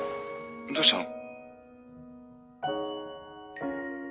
どうしたの？